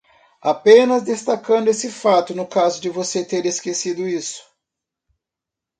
Apenas destacando esse fato no caso de você ter esquecido isso.